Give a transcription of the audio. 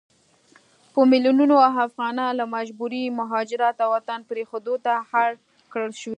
په ميلونونو افغانان له مجبوري مهاجرت او وطن پريښودو ته اړ کړل شوي